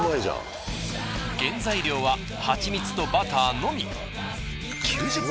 原材料ははちみつとバターのみ。